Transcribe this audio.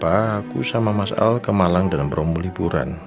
aku sama mas al ke malang dalam bromo liburan